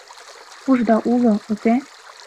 Ушда уло, уке?